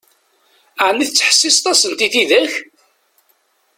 Ɛni tettḥessiseḍ-asent i tidak?